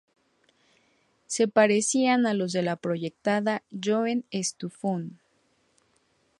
Se parecían a los de la proyectada "Goethe-Stiftung".